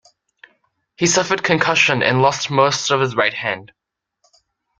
He suffered concussion and lost most of his right hand.